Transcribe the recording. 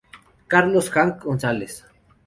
Carlos Hank González.